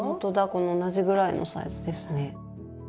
この同じぐらいのサイズですね。